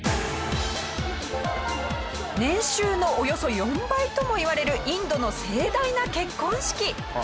年収のおよそ４倍ともいわれるインドの盛大な結婚式。